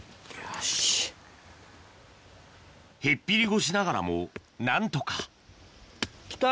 へっぴり腰ながらも何とか来た！